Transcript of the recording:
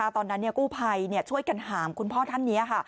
ตอนนั้นกู้ภัยช่วยกันหามคุณพ่อท่านนี้